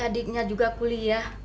leli adiknya juga kuliah